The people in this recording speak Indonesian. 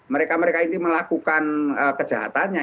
mereka mereka ini melakukan kejahatannya